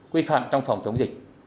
quy phạm trong phòng chủng